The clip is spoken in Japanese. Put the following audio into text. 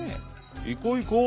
「いこいこ」。